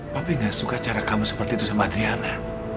papi gak suka cara kamu seperti itu sama adriana